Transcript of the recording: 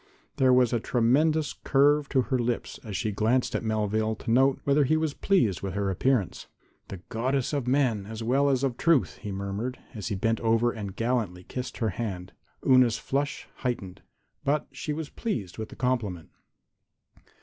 There was a tremulous curve to her lips as she glanced at Melvale to note whether he was pleased with her appearance. "The goddess of men, as well as of truth," he murmured as he bent over and gallantly kissed her hand. Una's flush heightened, but she was pleased with the compliment.